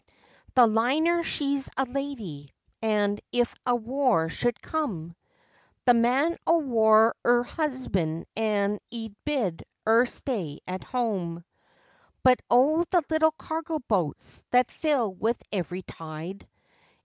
The Liner she's a lady, and if a war should come, The Man o' War's 'er 'usband, and 'e'd bid 'er stay at home; But, oh, the little cargo boats that fill with every tide!